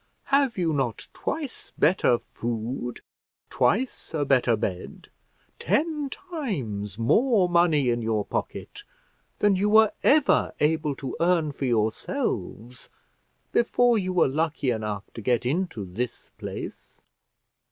Have you not twice better food, twice a better bed, ten times more money in your pocket than you were ever able to earn for yourselves before you were lucky enough to get into this place?